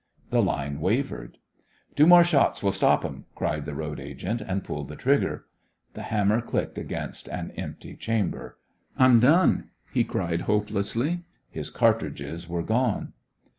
The line wavered. "Two more shots will stop 'em!" cried the road agent, and pulled the trigger. The hammer clicked against an empty chamber. "I'm done!" he cried, hopelessly. His cartridges were gone.